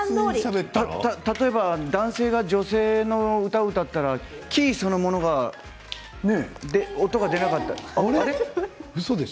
例えば男性が女性の歌を歌ったらキーそのものが音が出なく。